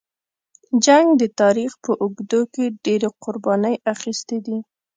جنګ د تاریخ په اوږدو کې ډېرې قربانۍ اخیستې دي.